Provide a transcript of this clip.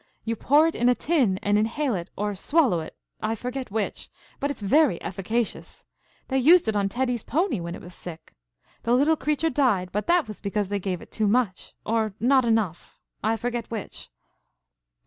You pour it in a tin and inhale it or swallow it, I forget which, but it's very efficacious. They used it on Teddy's pony when it was sick. The little creature died but that was because they gave it too much, or not enough, I forget which."